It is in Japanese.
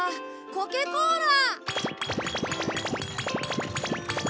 コケコーラ！